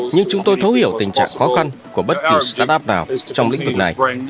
nhưng chúng tôi thấu hiểu tình trạng khó khăn của bất kỳ startup nào trong lĩnh vực này